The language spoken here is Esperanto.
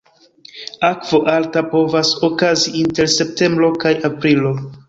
Akvo alta povas okazi inter septembro kaj aprilo.